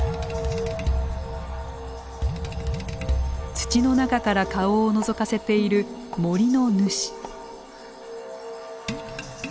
土の中から顔をのぞかせている森の主。